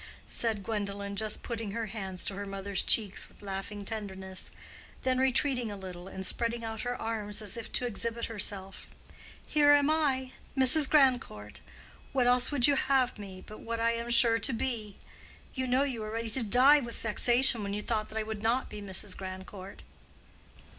said Gwendolen just putting her hands to her mother's cheeks with laughing tenderness—then retreating a little and spreading out her arms as if to exhibit herself: "Here am I—Mrs. Grandcourt! what else would you have me, but what I am sure to be? You know you were ready to die with vexation when you thought that I would not be Mrs. Grandcourt."